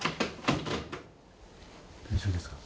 大丈夫ですか？